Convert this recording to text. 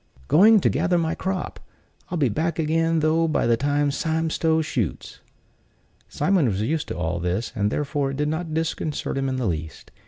"Going to gather in my crop; I'll be back again though by the time Sime Stow shoots." Simon was used to all this, and therefore it did not disconcert him in the least.